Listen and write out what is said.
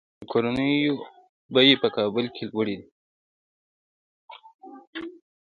د کورونو بیې په کابل کې لوړې دي